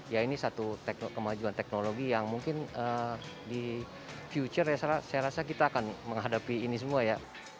ya ini satu kemajuan teknologi yang mungkin di future saya rasa kita akan menghadapi ini semua ya